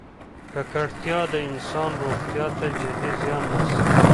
ککړتیا د انسان روغتیا ته جدي زیان رسوي.